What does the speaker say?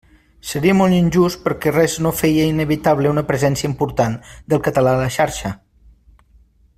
Seria molt injust perquè res no feia inevitable una presència important del català a la xarxa.